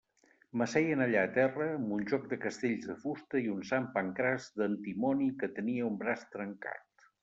M'asseien allà a terra, amb un joc de castells de fusta i un Sant Pancràs d'antimoni que tenia un braç trencat.